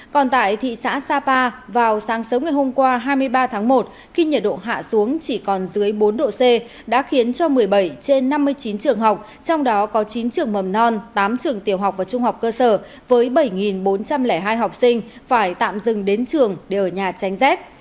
còn tại thị xã sapa vào sáng sớm ngày hôm qua hai mươi ba tháng một khi nhiệt độ hạ xuống chỉ còn dưới bốn độ c đã khiến cho một mươi bảy trên năm mươi chín trường học trong đó có chín trường mầm non tám trường tiểu học và trung học cơ sở với bảy bốn trăm linh hai học sinh phải tạm dừng đến trường để ở nhà tránh rét